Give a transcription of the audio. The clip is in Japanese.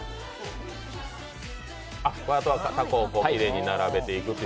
あとはたこをきれいに並べていくと。